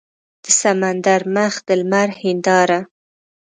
د سمندر مخ د لمر هینداره